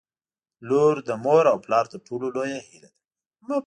• لور د مور او پلار تر ټولو لویه هیله ده.